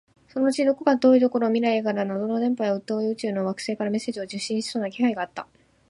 そのうちどこか遠いところ、未来から謎の電波や、遠い宇宙の惑星からメッセージを受信しそうな気配があった